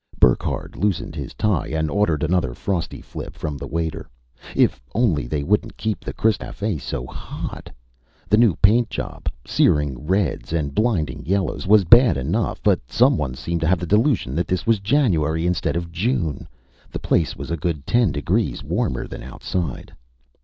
Burckhardt loosened his tie and ordered another Frosty Flip from the waiter. If only they wouldn't keep the Crystal Cafe so hot! The new paint job searing reds and blinding yellows was bad enough, but someone seemed to have the delusion that this was January instead of June; the place was a good ten degrees warmer than outside.